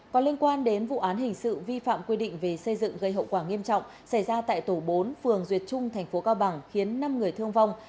còn liên quan đến vụ án hình sự vi phạm quy định về xây dựng gây hậu quả nghiêm trọng xảy ra tại tổ bốn phường duyệt trung thành phố cao bằng khiến năm người thương vong